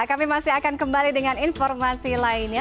kami masih akan kembali dengan informasi lainnya